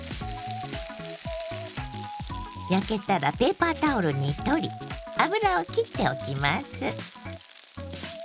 焼けたらペーパータオルに取り油をきっておきます。